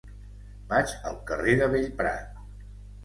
Vaig al carrer de Bellprat.